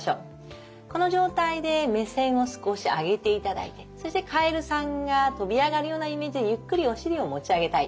この状態で目線を少し上げていただいてそしてカエルさんが跳び上がるようなイメージでゆっくりお尻を持ち上げたい。